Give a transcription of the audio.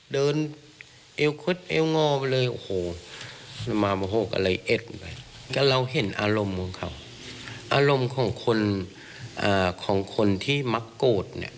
เดินเอวเข็ดเอวงอไปเลยโอ้โห